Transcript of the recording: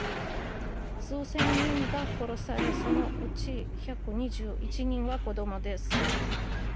数千人が殺されそのうち１２１人は子供です。